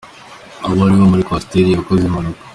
Abo ni abari muri coaster yakoze impanuka.